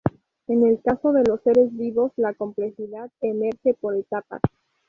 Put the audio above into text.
En el caso de los seres vivos, la complejidad emerge por etapas.